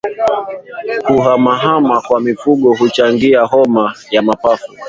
Kuhamahama kwa mifugo huchangia homa ya mapafu